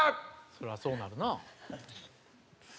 そりゃそうなるな。